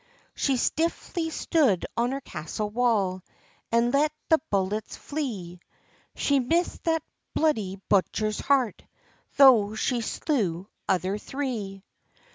She stiffly stood on her castle wall, And let the bullets flee; She miss'd that bluidy butcher's heart, Tho' she slew other three.